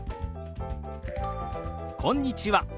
「こんにちは」。